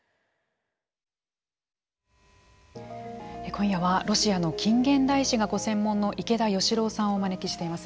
今夜はロシアの近現代史がご専門の池田嘉郎さんをお招きしています。